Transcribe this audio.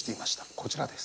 こちらです。